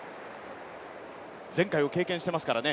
前回を経験していますからね。